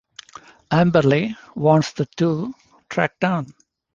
Amberley wants the two tracked down.